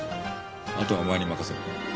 あとはお前に任せる。